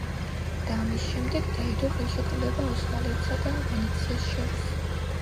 და ამის შემდეგ დაიდო ხელშეკრულება ოსმალეთსა და ვენეციას შორის.